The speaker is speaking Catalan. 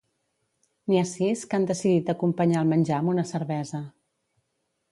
N'hi ha sis que han decidit acompanyar el menjar amb una cervesa.